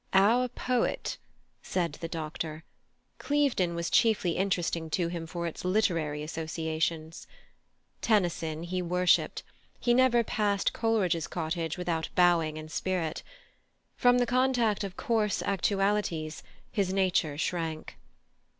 "Our poet," said the doctor; Clevedon was chiefly interesting to him for its literary associations. Tennyson he worshipped; he never passed Coleridge's cottage without bowing in spirit. From the contact of coarse actualities his nature shrank.